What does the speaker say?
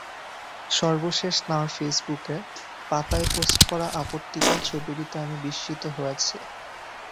সর্বশেষ তাঁর ফেসবুকে পাতায় পোস্ট করা আপত্তিকর ছবিটিতে আমি বিস্মিত হয়েছি।